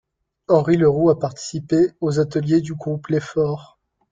Henri Le Roux a participé aux ateliers du groupe L'Effort.